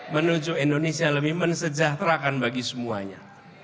menuju indonesia lebih mensejahterakan bagi semuanya